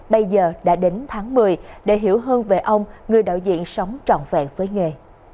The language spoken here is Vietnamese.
bây giờ đã đến tháng một mươi để hiểu hơn về ông người đạo diện sống trọn vẹn với nghề